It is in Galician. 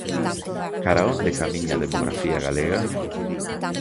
Cara a onde camiña a demografía galega?